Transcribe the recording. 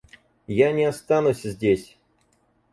Я не останусь здесь.